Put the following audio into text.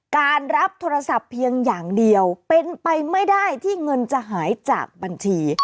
การรับโทรศัพท์เพียงอย่างเดียวเป็นไปไม่ได้ที่เงินจะหายจากบัญชี